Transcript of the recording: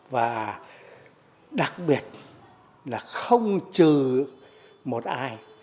và đặc biệt là không trừ một ai